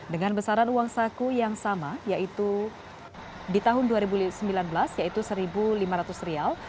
dengan besaran uang saku yang sama yaitu di tahun dua ribu sembilan belas yaitu rp satu lima ratus